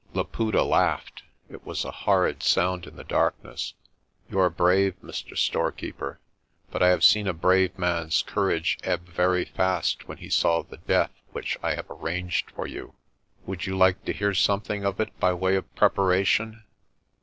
Laputa laughed. It was a horrid sound in the darkness. "You are brave, Mr. Storekeeper, but I have seen a brave man's courage ebb very fast when he saw the death which I have arranged for you. Would you like to hear something of it by way of preparation?'